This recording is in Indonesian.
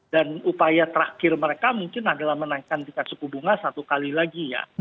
dan upaya terakhir mereka mungkin adalah menaikkan tingkat suku bunga satu x lagi ya